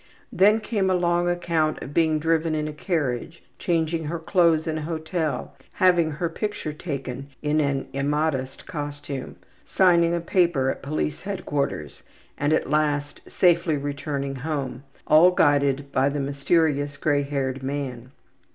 Then came a long account of being driven in a carriage, changing her clothes in a hotel, having her picture taken in an immodest costume, signing a paper at police headquarters, and, at last, safely returning home, all guided by the mysterious gray haired man.